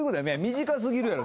短すぎるやろ。